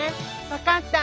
わかった。